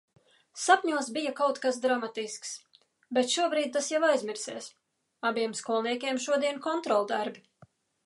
Sapņos bija kaut kas dramatisks, bet šobrīd tas jau aizmirsies. Abiem skolniekiem šodien kontroldarbi.